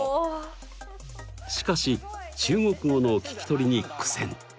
しかし中国語の聞き取りに苦戦！